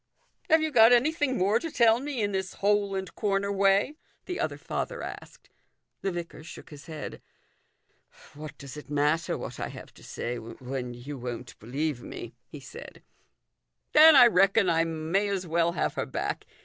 " Have you got anything more to tell me in this hole and corner way ?" the other father asked. The vicar shook his head. " What does it matter what I have to say, when you won't believe me ?" he said. " Then I reckon I may as well have her back.